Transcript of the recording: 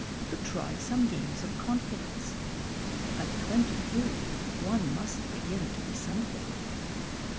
to try some games of confidence. At twenty two one must begin to be something.